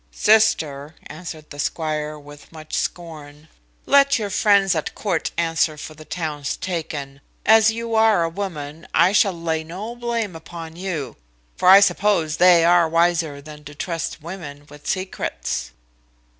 "Sister," answered the squire, with much scorn, "let your friends at court answer for the towns taken; as you are a woman, I shall lay no blame upon you; for I suppose they are wiser than to trust women with secrets."